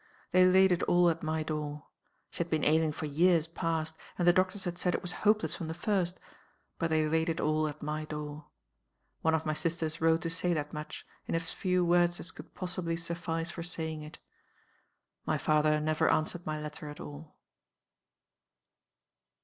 They laid it all at my door. She had been ailing for years past, and the doctors had said it was hopeless from the first but they laid it all at my door. One of my sisters wrote to say that much, in as few words as could possibly suffice for saying it. My father never answered my letter at all."